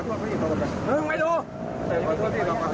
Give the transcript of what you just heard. เก็บปืนก่อนก่อนพี่